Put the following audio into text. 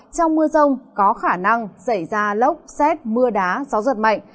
trong mưa rông có khả năng xảy ra lốc xét mưa đá gió giật mạnh